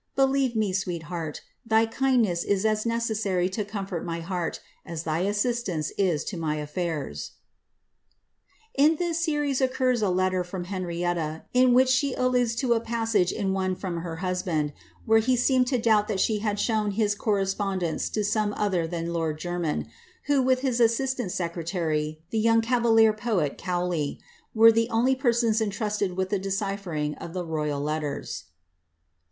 * Believe me, sweetheart, thy kindness is as necessary to comfort my heart, a& tbrisfistance is to my affairs." In this series occurs a letter from Henrietta, in which she alludes to a pissage in one from her husband, where he seemed to doubt that she bad shown his correspondence to some other than lord Jermyn, who, with his assistant secretary, the young cavalier poet Cowley, were the only persons entrusted with the decyphering of the royal letters.